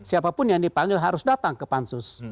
siapapun yang dipanggil harus datang ke pansus